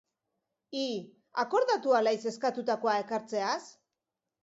Hi, akordatu al haiz eskatutakoa ekartzeaz?